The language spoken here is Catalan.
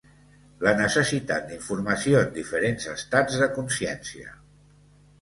La necessitat d’informació en diferents estats de consciència.